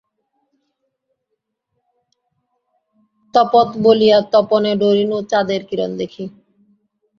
তপত বলিয়া তপনে ডরিনু, চাঁদের কিরণ দেখি!